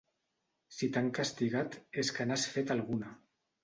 Si t'han castigat és que n'has fet alguna.